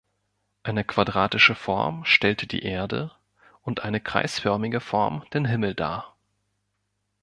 Eine quadratische Form stellte die Erde, und eine kreisförmige Form den Himmel dar.